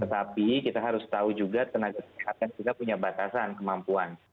tetapi kita harus tahu juga tenaga kesehatan kita punya batasan kemampuan